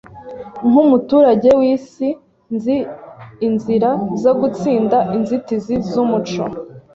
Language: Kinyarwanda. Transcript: Nkumuturage wisi, nzi inzira zo gutsinda inzitizi zumuco.